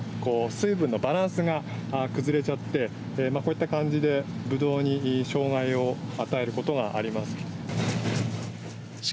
水分のバランスが崩れちゃってこういった感じで、ぶどうに障害を与えることがあります。